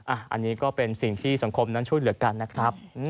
อันนี้ก็เป็นสิ่งที่สังคมนั้นช่วยเหลือกันนะครับ